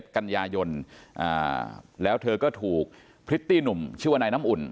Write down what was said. กันยายนแล้วเธอก็ถูกพริตตี้หนุ่มชื่อว่านายน้ำอุ่น